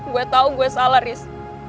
gue tau gue salah ris